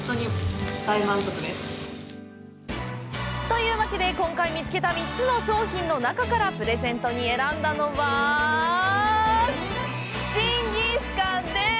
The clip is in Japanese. というわけで、今回見つけた３つの商品の中からプレゼントに選んだのはジンギスカンです！